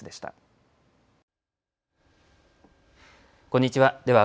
こんにちは。